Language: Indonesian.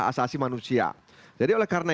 asasi manusia jadi oleh karena